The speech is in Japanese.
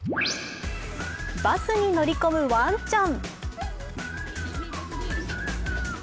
バスに乗りこむワンちゃん。